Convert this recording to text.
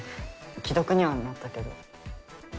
既読にはなったけど。